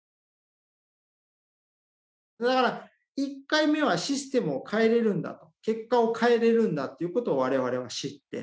だから１回目はシステムを変えれるんだと結果を変えれるんだっていうことを我々は知って。